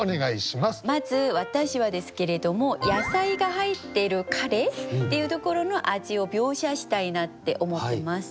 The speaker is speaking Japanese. まず私はですけれども野菜が入ってるカレーっていうところの味を描写したいなって思ってます。